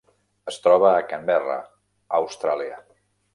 Es troba a Canberra, Austràlia.